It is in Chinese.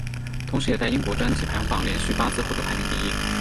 同时也在英国专辑排行榜连续八次获得排名第一。